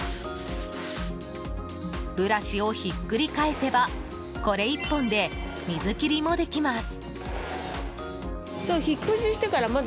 ブラシをひっくり返せばこれ１本で水切りもできます。